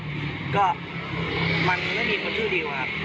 มันก็ไม่มีคนชื่อดิวอะฮ่ะ